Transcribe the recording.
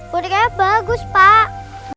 bonekanya bagus pak